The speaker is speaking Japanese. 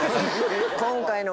今回の笑